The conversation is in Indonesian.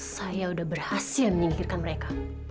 saya sudah berhasil menyingkirkan mereka